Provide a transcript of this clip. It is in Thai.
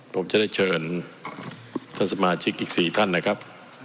ผมจะได้เชิญท่านสมาชิกอีก๔ท่านนะครับ